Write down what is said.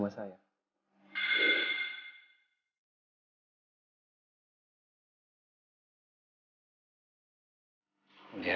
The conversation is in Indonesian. oleh siapa yang menjaga saya